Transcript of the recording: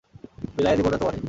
বিলায়া দিবো না তোমারে।